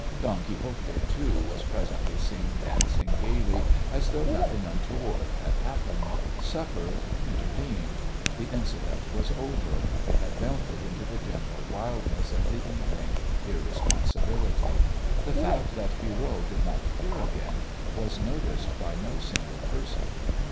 Don Quixote, too, was presently seen dancing gaily as though nothing untoward had happened; supper intervened; the incident was over; it had melted into the general wildness of the evening's irresponsibility. The fact that Pierrot did not appear again was noticed by no single person.